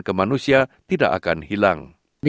ke manusia tidak akan hilang